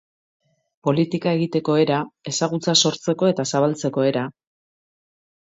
Politika egiteko era, ezagutza sortzeko eta zabaltzeko era...